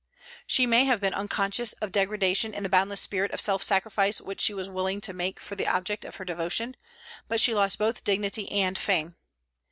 She may have been unconscious of degradation in the boundless spirit of self sacrifice which she was willing to make for the object of her devotion, but she lost both dignity and fame.